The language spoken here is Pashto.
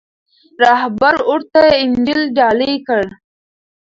راهب ورته انجیل ډالۍ کړ.